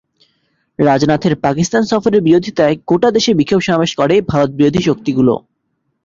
রাজনাথের পাকিস্তান সফরের বিরোধিতায় গোটা দেশে বিক্ষোভ সমাবেশ করে ভারতবিরোধী শক্তিগুলো।